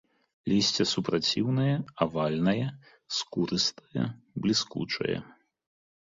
Лісце супраціўнае, авальнае, скурыстае, бліскучае.